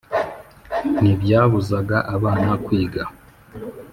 Ntibyabuzaga abana kwiga